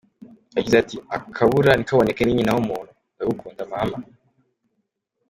Yagize ati” ‘akabura ntikaboneke ni nyina w’umuntu’ Ndagukunda Mama”.